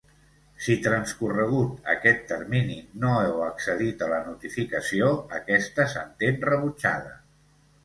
Si transcorregut aquest termini no heu accedit a la notificació, aquesta s'entén rebutjada.